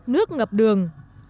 nước ngập đường